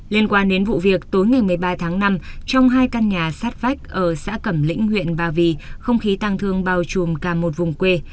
liên quan đến vụ việc tối ngày một mươi ba tháng năm trong hai căn nhà sát vách ở xã cẩm lĩnh huyện ba vì không khí tăng thương bao trùm cả một vùng quê